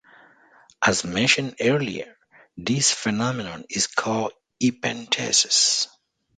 As mentioned earlier, this phenomenon is called epenthesis.